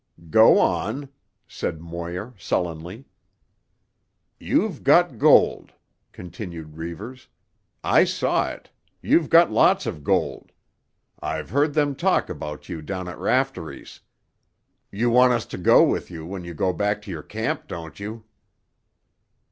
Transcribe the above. "Go on," said Moir sullenly. "You've got gold," continued Reivers. "I saw it. You've got lots of gold; I've heard them talk about you down at Raftery's. You want us to go with you when you go back to your camp, don't you?"